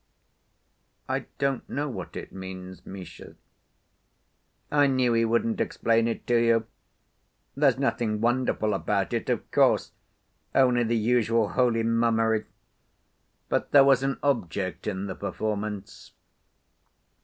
"I don't know what it means, Misha." "I knew he wouldn't explain it to you! There's nothing wonderful about it, of course, only the usual holy mummery. But there was an object in the performance.